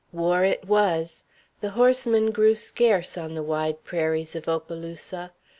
War it was. The horsemen grew scarce on the wide prairies of Opelousas.